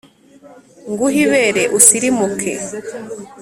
nguhe ibere usirimuke.